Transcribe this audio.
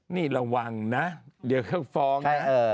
นี่ระวังนะเดี๋ยวเขาฟ้องนะ